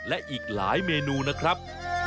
และอีกหลายเมนูนะครับ